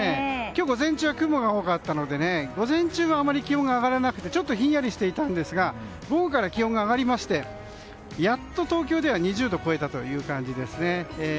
今日午前中は雲が多かったので午前中はあまり気温が上がらなくてひんやりしていたんですが午後から気温が上がりましてやっと東京では２０度を超えたという感じです。